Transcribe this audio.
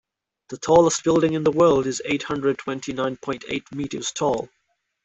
The tallest building in the world is eight hundred twenty nine point eight meters tall.